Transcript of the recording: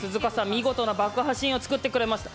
見事な爆破シーンを作ってくれました。